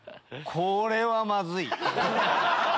これはまずい！